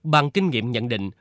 bằng kinh nghiệm nhận định